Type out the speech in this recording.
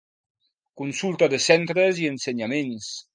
Consulta de centres i ensenyaments.